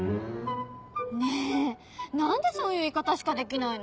ねぇ何でそういう言い方しかできないの？